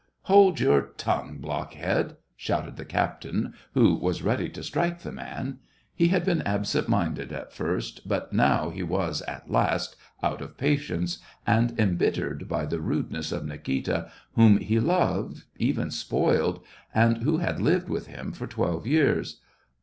" Hold your tongue, blockhead !" shouted the captain, who was ready to strike the man. He had been absent minded at first, but now he was, 56 SEVASTOPOL IN MAY. at last, out of patience,, and embittered by the rudeness of Nikita, whom he loved, even spoiled, and who had lived with him for twelve years.